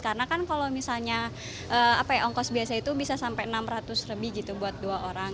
karena kan kalau misalnya ongkos biasa itu bisa sampai enam ratus lebih gitu buat dua orang